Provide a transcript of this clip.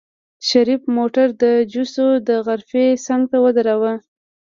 شريف موټر د جوسو د غرفې څنګ ته ودروه.